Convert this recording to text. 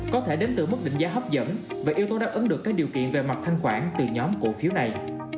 có thể đến từ mức định giá hấp dẫn và yếu tố đáp ứng được các điều kiện về mặt thanh khoản từ nhóm cổ phiếu này